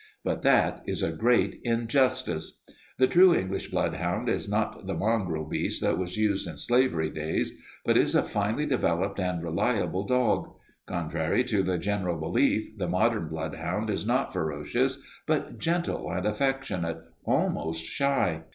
But that is a great injustice. The true English bloodhound is not the mongrel beast that was used in slavery days, but is a finely developed and reliable dog. Contrary to the general belief, the modern bloodhound is not ferocious, but gentle and affectionate, almost shy.